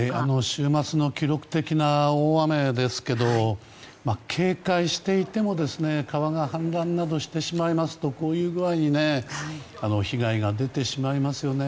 週末の記録的な大雨ですけど警戒していても川が氾濫などしてしまいますとこういう具合に被害が出てしまいますよね。